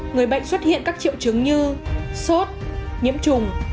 người bệnh xuất hiện các triệu chứng như sốt nhiễm trùng